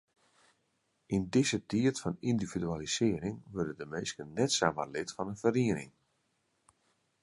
Yn dizze tiid fan yndividualisearring wurde de minsken net samar lid fan in feriening.